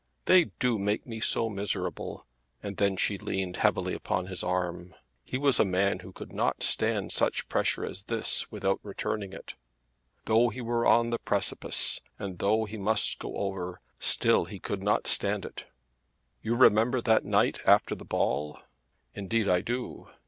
"They do make me so miserable!" And then she leaned heavily upon his arm. He was a man who could not stand such pressure as this without returning it. Though he were on the precipice, and though he must go over, still he could not stand it. "You remember that night after the ball?" "Indeed I do."